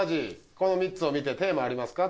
この３つを見てテーマありますか？